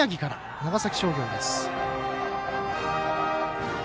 長崎商業です。